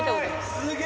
すげ！